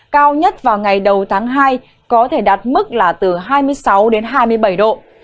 cao nhất vào ngày đầu tháng hai có thể đạt mức là từ hai mươi sáu đến hai mươi bảy độ